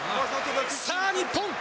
さあ、日本。